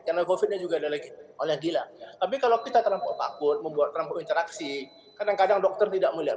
tapi kalau kita terlalu takut membuat terlalu interaksi kadang kadang dokter tidak melihat